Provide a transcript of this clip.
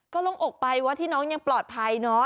ก็ลงอกไปว่าที่น้องยังปลอดภัยเนอะ